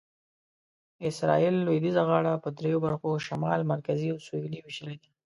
اسرایل لویدیځه غاړه په دریو برخو شمال، مرکزي او سویل وېشلې ده.